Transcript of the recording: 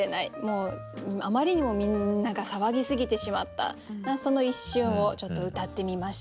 あまりにもみんなが騒ぎすぎてしまったその一瞬をちょっとうたってみました。